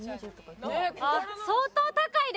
あっ相当高いです！